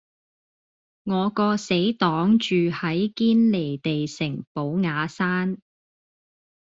我個死黨住喺堅尼地城寶雅山